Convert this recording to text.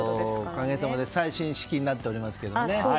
おかげさまで最新式になってますけども。